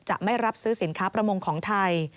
ไม่รับซื้อสินค้าประมงของไทย